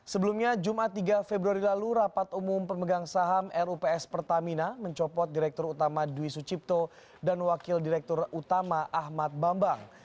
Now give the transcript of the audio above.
sebelumnya jumat tiga februari lalu rapat umum pemegang saham rups pertamina mencopot direktur utama dwi sucipto dan wakil direktur utama ahmad bambang